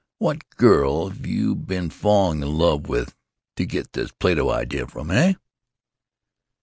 What girl 've you been falling in love with to get this Plato idea from, eh?"